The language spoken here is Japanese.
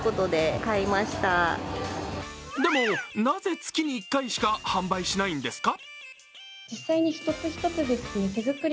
でも、なぜ月に１回しか販売しないんですか？